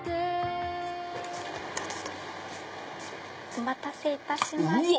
お待たせいたしました。